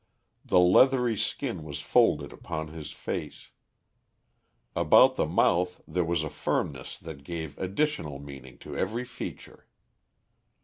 The leathery skin was folded upon his face. About the mouth, there was a firmness that gave additional meaning to every feature.